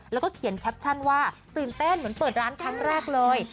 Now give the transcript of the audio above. แล้วก็เขียนแคปชั่นว่าตื่นเต้นเหมือนเปิดร้านครั้งแรกเลย